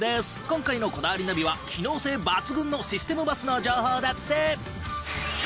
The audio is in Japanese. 今回の『こだわりナビ』は機能性抜群のシステムバスの情報だって。